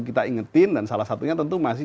kita ingetin dan salah satunya tentu masih